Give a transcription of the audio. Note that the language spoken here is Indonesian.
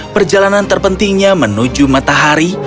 perjalanan terpentingnya menuju matahari